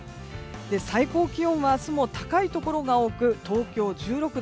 最高気温は明日も高いところが多く東京、１６度。